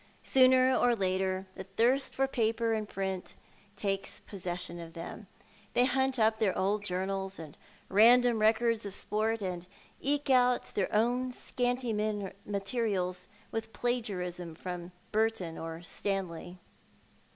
Sooner or later the thirst for paper and print takes possession of them. They hunt up their old journals and random records of sport, and eke out their own scanty materials with plagiarism from Burton or Stanley.